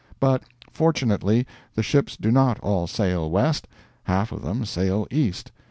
But fortunately the ships do not all sail west, half of them sail east.